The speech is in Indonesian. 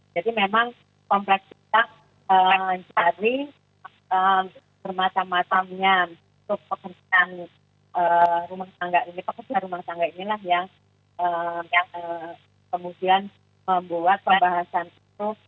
jadi memang kompleks kita mencari bermacam macamnya untuk pekerjaan rumah tangga ini pekerjaan rumah tangga inilah yang kemudian membuat pembahasan itu